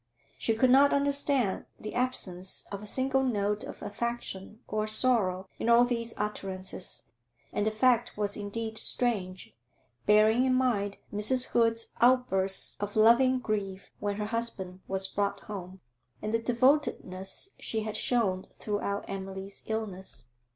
She could not understand the absence of a single note of affection or sorrow in all these utterances, and the fact was indeed strange, bearing in mind Mrs. Hood's outburst of loving grief when her husband was brought home, and the devotedness she had shown throughout Emily's illness.